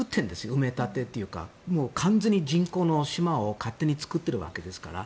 埋め立てというか完全に人工の島を勝手に作っているわけですから。